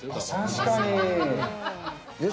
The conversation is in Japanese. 確かに。